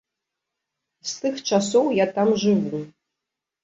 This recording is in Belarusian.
З тых часоў я там жыву.